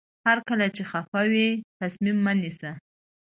هر کله چې خفه وئ تصمیم مه نیسئ.